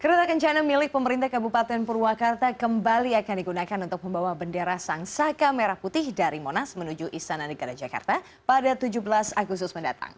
kereta kencana milik pemerintah kabupaten purwakarta kembali akan digunakan untuk membawa bendera sang saka merah putih dari monas menuju istana negara jakarta pada tujuh belas agustus mendatang